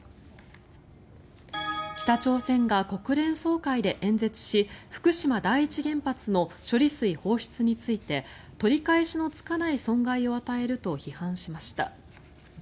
北朝鮮が国連総会で演説し福島第一原発の処理水放出について取り返しのつかない損害を与えると批判しました。